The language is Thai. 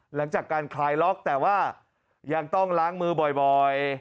หลังจากการคลายล็อกแต่ว่ายังต้องล้างมือบ่อย